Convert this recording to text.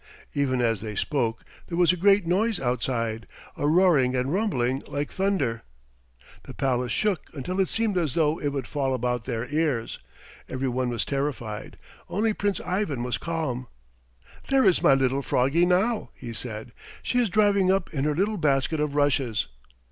Even as they spoke there was a great noise outside, a roaring and rumbling like thunder. The palace shook until it seemed as though it would fall about their ears. Every one was terrified. Only Prince Ivan was calm. "There is my little Froggie now," he said; "she is driving up in her little basket of rushes."